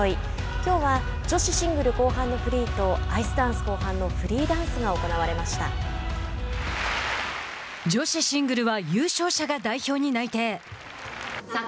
きょうは女子シングル後半のフリーとアイスダンス後半のフリーダンス女子シングルは優勝者が代表に内定。